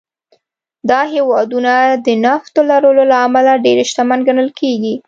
دا هېوادونه د نفتو لرلو له امله ډېر شتمن ګڼل کېږي.